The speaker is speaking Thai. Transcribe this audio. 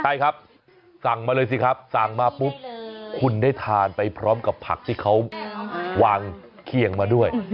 ใช่ครับสั่งมาเลยสิครับสั่งมาปุ๊บคุณได้ทานไปพร้อมกับผักที่เขาวางเคียงมาด้วย